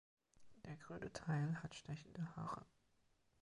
Der grüne Teil hat stechende Haare.